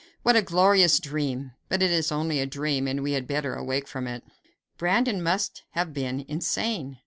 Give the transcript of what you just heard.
What a glorious dream! but it is only a dream, and we had better awake from it." Brandon must have been insane!